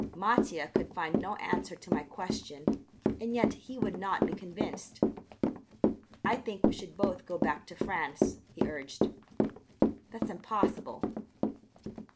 Mattia could find no answer to my question and yet he would not be convinced. "I think we should both go back to France," he urged. "That's impossible."